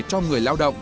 cho người lao động